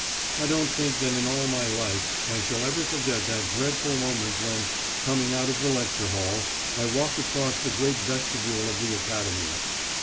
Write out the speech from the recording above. I don't think that in all my life I shall ever forget that dreadful moment when, coming out of the lecture hall, I walked across the great vestibule of the Academy.